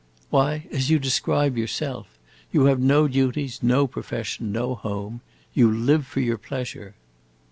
"Why, as you describe yourself. You have no duties, no profession, no home. You live for your pleasure."